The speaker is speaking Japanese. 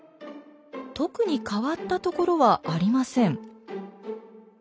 特に変わったところはありません。